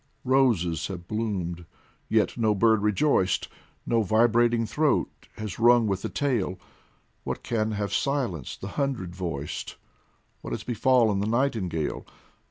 Roses have bloomed, yet no bird rejoiced, No vibrating throat has rung with the tale ; What can have silenced the hundred voiced ? What has befallen the nightingale